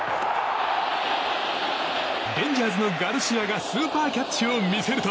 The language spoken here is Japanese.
レンジャーズのガルシアがスーパーキャッチを見せると。